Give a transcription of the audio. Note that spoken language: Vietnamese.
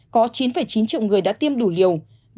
có chín chín triệu người đã tiêm đủ liều